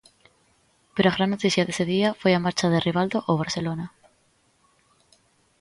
Pero a gran noticia dese día foi a marcha de Rivaldo ao Barcelona.